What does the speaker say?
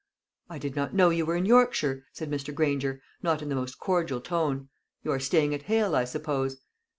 "I did not know you were in Yorkshire," said Mr. Granger, not in the most cordial tone. "You are staying at Hale, I suppose?"